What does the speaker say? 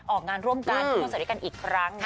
ออกงานร่วมกันทั่วทีกันอีกครั้ง